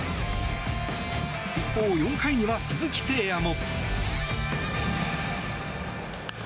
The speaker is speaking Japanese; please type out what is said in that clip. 一方、４回には鈴木誠也も。